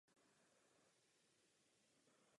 Do budovy se vstupuje ze severu.